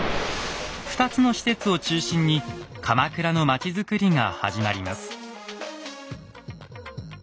２つの施設を中心に鎌倉の町づくりが始まります。